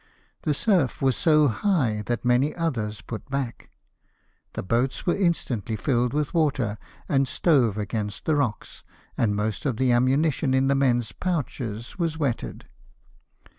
The surf was so high that many others put back. The boats were instantly filled with water, and stove against the rocks ; and most of the ammunition in the men's pouches was wetted.